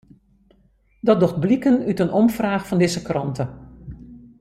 Dat docht bliken út in omfraach fan dizze krante.